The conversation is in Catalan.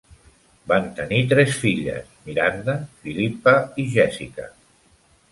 Van tenir tres filles, Miranda, Philippa, i Jessica.